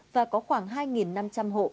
và có khoảng hai năm trăm linh hộ